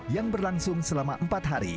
yang berlangsung selama empat hari